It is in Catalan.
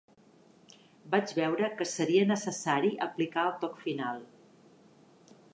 Vaig veure que seria necessari aplicar el toc final.